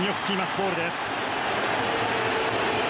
ボールです。